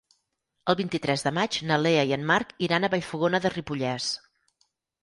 El vint-i-tres de maig na Lea i en Marc iran a Vallfogona de Ripollès.